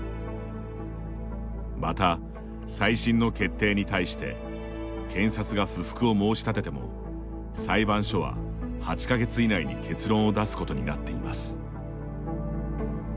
また、再審の決定に対して検察が不服を申し立てても裁判所は８か月以内に結論を出すことになっています。